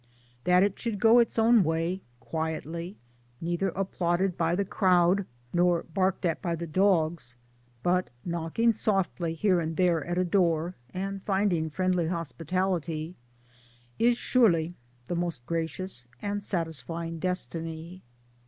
That it should go its own way quietly, neither applauded by the crowd, nor barked at by the dogs, but knocking softly here and there at a door and finding friendly hospitality is surely its most gracious and satisfying destiny.